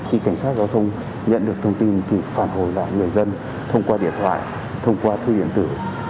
khi cảnh sát giao thông nhận được thông tin thì phản hồi lại người dân thông qua điện thoại thông qua thư điện tử